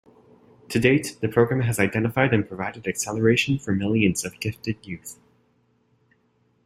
To date, the program has identified and provided acceleration for millions of gifted youth.